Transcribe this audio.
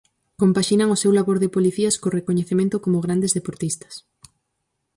Compaxinan o seu labor de policías co recoñecemento como grandes deportistas.